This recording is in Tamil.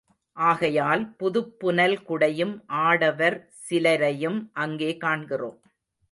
ஆகையால் புதுப் புனல் குடையும் ஆடவர் சிலரையும் அங்கே காண்கிறோம்.